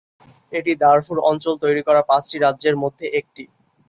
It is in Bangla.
এটি দারফুর অঞ্চল তৈরী করা পাঁচটি রাজ্যের মধ্যে একটি।